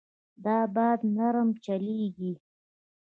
دا باد نرم چلېږي.